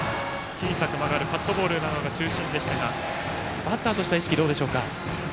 小さく曲がるカットボールなどが中心でしたがバッターとしては意識どうでしょうか。